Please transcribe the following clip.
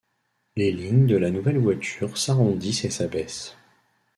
Les lignes de la nouvelle voiture s'arrondissent et s'abaissent.